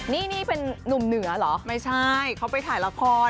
นี่เป็นนุ่มเหนือเหรอไม่ใช่เขาไปถ่ายละคร